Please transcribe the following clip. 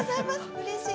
うれしい。